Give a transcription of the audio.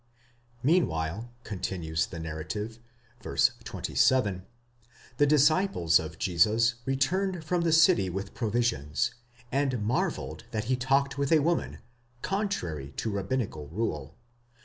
Meanwhile, continues the narrative (v. 27), the disciples of Jesus returned from the city with provisions, and marvelled that he talked with a woman, contrary to rabbinical rule.